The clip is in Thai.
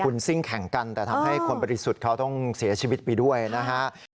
คุณซิ่งแข่งกันแต่ทำให้คนบริสุทธิ์เขาต้องเสียชีวิตไปด้วยนะฮะ